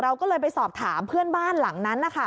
เราก็เลยไปสอบถามเพื่อนบ้านหลังนั้นนะคะ